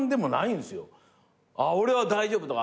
「俺は大丈夫」とか。